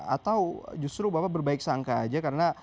atau justru bapak berbaik sangka aja karena